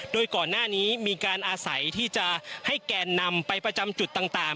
โดยก่อนหน้านี้มีการอาศัยที่จะให้แกนนำไปประจำจุดต่าง